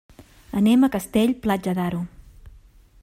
Anem a Castell-Platja d'Aro.